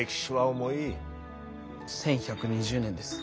１，１２０年です。